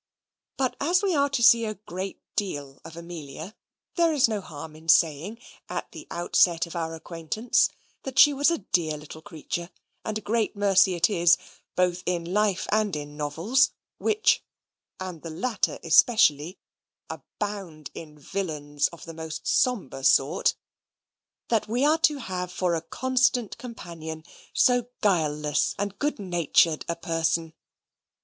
But as we are to see a great deal of Amelia, there is no harm in saying, at the outset of our acquaintance, that she was a dear little creature; and a great mercy it is, both in life and in novels, which (and the latter especially) abound in villains of the most sombre sort, that we are to have for a constant companion so guileless and good natured a person.